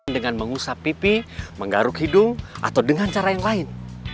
dengan mengusap pipi menggaruk hidung atau dengan cara yang lain